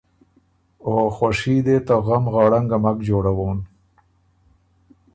او خوشي دې ته غم غړنګه مک جوړَوون۔